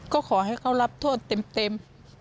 ก็ขอให้เขารับโทษเต็ม